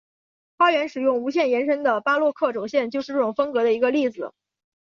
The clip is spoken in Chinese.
花园使用无限延伸的巴洛克轴线就是这种风格的一个例子。